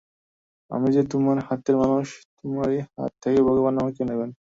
আমি যে তোমারই হাতের মানুষ, তোমারই হাত থেকে ভগবান আমাকে নেবেন।